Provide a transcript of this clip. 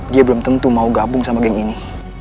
dia belum tentu mau gabung sama geng ini